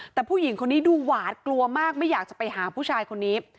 แต่ผู้หญิงคนนี้ดูหวาดกลัวมากไม่อยากจะไปหาผู้ชายคนนี้